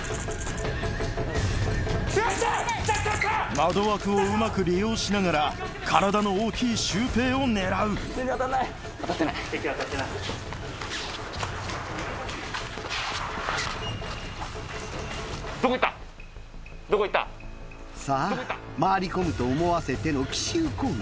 窓枠をうまく利用しながら体の大きいシュウペイを狙うさぁ回り込むと思わせての奇襲攻撃。